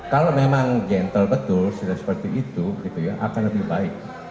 kalau memang gentle betul sudah seperti itu akan lebih baik